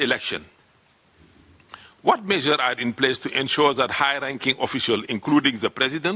apa yang dilakukan untuk memastikan orang orang yang berkualitas tinggi termasuk presiden